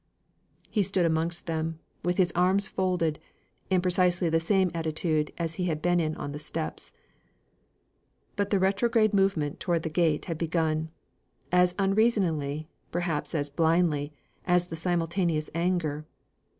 He stood amongst them with his arms folded, in precisely the same attitude as he had been in on the steps. But the retrograde movement towards the gate had begun as unreasoningly, perhaps as blindly, as the simultaneous anger.